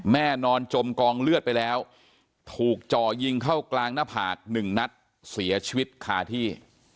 นอนจมกองเลือดไปแล้วถูกจ่อยิงเข้ากลางหน้าผากหนึ่งนัดเสียชีวิตคาที่